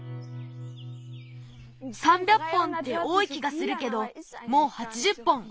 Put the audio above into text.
３００本っておおい気がするけどもう８０本うえたよ。